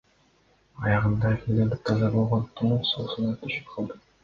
Аягында көлдүн таптаза болгон тунук суусуна түшүп алдык.